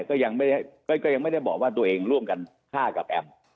ก็ยังไม่ได้บอกว่าตัวเองร่วมกันฆ่ากับแอม